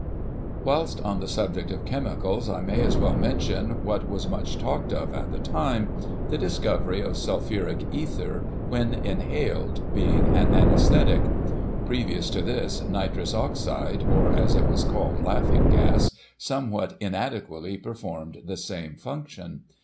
Whilst on the subject of Chemicals, I may as well mention, what was much talked of at the time — the discovery of sul phuric ether, when inhaled, being an anaesthetic. Previous to this, Nitrous Oxide, or, as it was called, "Laughing Gas," somewhat inadequately performed the same function.